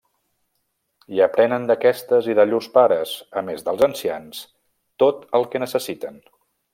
I aprenen d'aquestes i de llurs pares, a més dels ancians, tot el que necessiten.